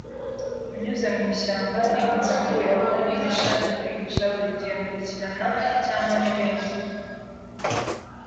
unyuze mu ishyamba. Nimutse mvuye aho nihisha njya kwihisha, burigihe nkurikirana, cyangwa nibindi